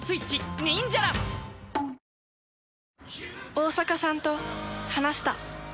大坂さんと話した。